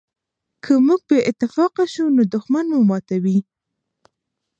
که موږ بې اتفاقه شو نو دښمن مو ماتوي.